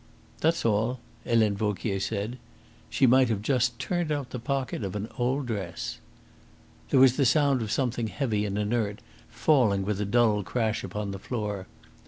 "That's all," Helene Vauquier said. She might have just turned out the pocket of an old dress. There was the sound of something heavy and inert falling with a dull crash upon the floor.